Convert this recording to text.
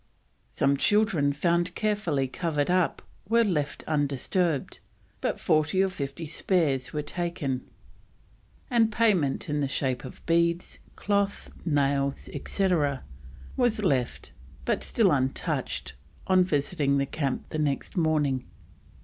Some children found carefully covered up were left undisturbed, but forty or fifty spears were taken, and payment in the shape of beads, cloth, nails, etc., was left, but still untouched, on visiting the camp the next morning.